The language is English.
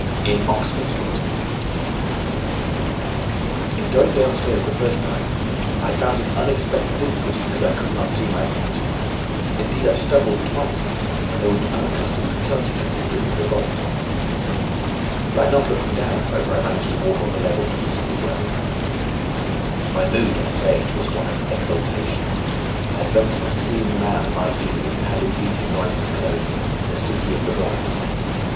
IN OXFORD STREET "In going downstairs the first time I found an unexpected difficulty because I could not see my feet; indeed I stumbled twice, and there was an unaccustomed clumsiness in gripping the bolt. By not looking down, however, I managed to walk on the level passably well. "My mood, I say, was one of exaltation. I felt as a seeing man might do, with padded feet and noiseless clothes, in a city of the blind.